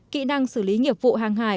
kỹ năng xử lý nghiệp vụ hàng hải